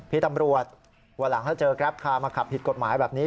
พี่ตำรวจวันหลังถ้าเจอแกรปคาร์มาขับผิดกฎหมายแบบนี้